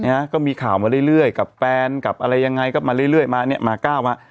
ก็มีข่าวมาเรื่อยเรื่อยกับแฟนกับอะไรยังไงก็มาเรื่อยเรื่อยมาเนี้ยมาก้าวมา